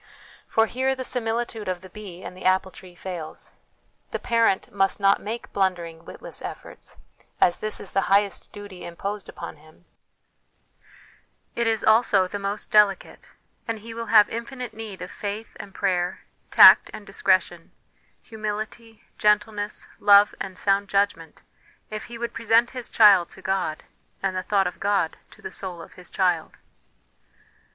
For here the similitude of the bee and the apple tree fails. The parent must not make blundering, witless efforts : as this is the highest duty imposed upon him, it is also the most delicate ; and he will have infinite need of faith and prayer, tact and discretion, humility, gentleness, love, and sound judgment, if he would present his child to God, and the thought of God to the soul of his child.